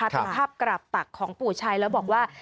เป็นภาพกราบตักของปู่ชัยแล้วบอกว่า